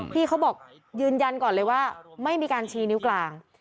พี่เขาบอกยืนยันก่อนเลยว่าไม่มีการชี้นิ้วกลาง